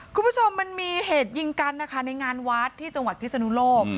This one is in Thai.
คุณผู้ชมมันมีเหตุยิงกันนะคะในงานวัดที่จังหวัดพิศนุโลก